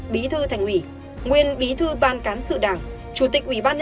bí thư thành ủy nguyên bí thư ban cán sự đảng chủ tịch ubnd thành phố